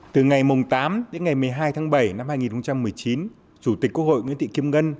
từ ngày tám đến ngày một mươi hai tháng bảy năm hai nghìn một mươi chín chủ tịch quốc hội nguyễn thị kim ngân